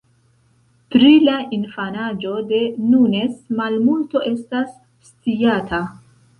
Pri la infanaĝo de Nunes malmulto estas sciata.